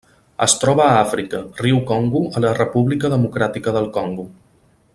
Es troba a Àfrica: riu Congo a la República Democràtica del Congo.